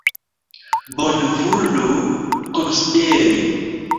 Bonvolu konsideri.